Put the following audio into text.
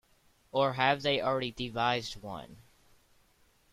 Or have they already devised one.